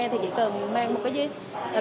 thì chỉ cần mang một cái gì